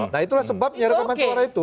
nah itulah sebabnya rekaman suara itu